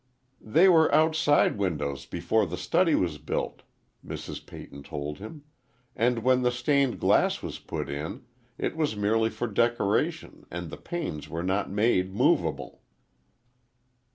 "They were outside windows before the study was built," Mrs. Peyton told him, "and when the stained glass was put in, it was merely for decoration and the panes were not made movable."